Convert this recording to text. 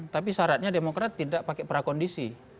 tapi syaratnya demokrat tidak pakai prakondisi